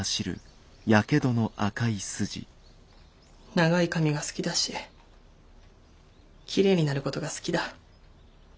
長い髪が好きだしきれいになることが好きだ。